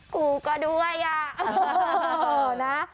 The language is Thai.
กูก็ด้วยอะ